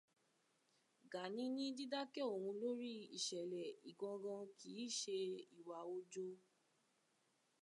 Gàní ní dídákẹ́ òun lórí ìṣẹ̀lẹ̀ Ìgangan kìí ṣe ìwà òjó.